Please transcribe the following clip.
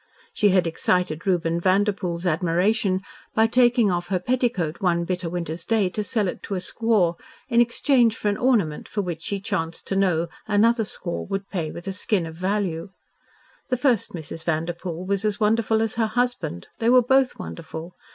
She had excited Reuben Vanderpoel's admiration by taking off her petticoat one bitter winter's day to sell it to a squaw in exchange for an ornament for which she chanced to know another squaw would pay with a skin of value. The first Mrs. Vanderpoel was as wonderful as her husband. They were both wonderful.